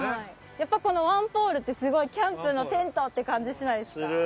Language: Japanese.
っぱこのワンポールってすごいャンプのテントって感じしないですか？